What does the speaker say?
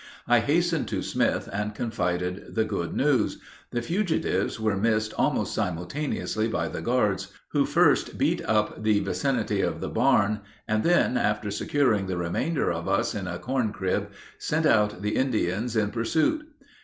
I hastened to Smith and confided the good news. The fugitives were missed almost simultaneously by the guards, who first beat up the vicinity of the barn, and then, after securing the remainder of us in a corn crib, sent out the Indians in pursuit.